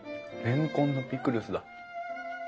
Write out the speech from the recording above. レンコンのピクルスだ。